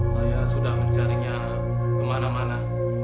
saya sudah mencarinya kemana mana